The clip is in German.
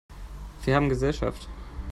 Wir haben Gesellschaft!